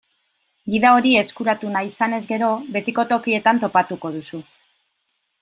Gida hori eskuratu nahi izanez gero, betiko tokietan topatuko duzu.